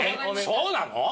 そうなの！？